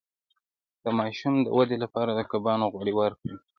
د ماشوم د ودې لپاره د کبانو غوړي ورکړئ